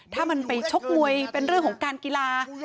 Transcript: ถ้ามันไปชกมวยเป็นเรื่องของการกีฬา